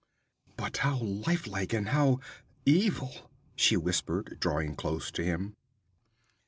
'But how life like and how evil!' she whispered, drawing close to him.